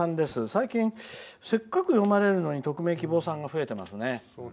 最近、せっかく読まれるのに匿名希望さんが増えていますね。